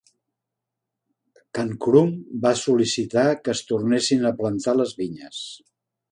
Khan Krum va sol·licitar que es tornessin a plantar les vinyes.